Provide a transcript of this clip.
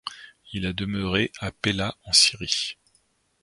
Il a demeuré à Pella en Syrie.